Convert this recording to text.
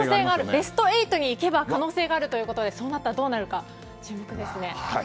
ベスト８にいけば可能性があるということでそうなったらどうなるか注目ですね。